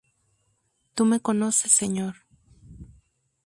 Tú que me conoces, Señor!...